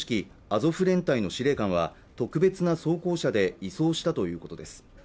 アゾフ連隊の司令官は特別な装甲車で移送したということです